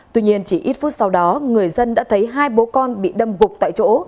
tuy nhiên chỉ ít phút sau đó người dân đã thấy hai bố con bị đâm gục tại chỗ